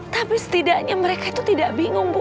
tapi setidaknya mereka itu tidak bingung bu